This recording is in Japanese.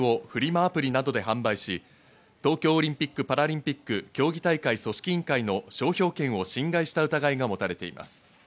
アプリなどで販売し、東京オリンピック・パラリンピック競技大会組織委員会の商標権を侵害した疑いがもたれています。